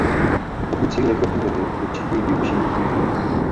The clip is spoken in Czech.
Pokud se jí nechopíme my, určitě ji využijí jiní.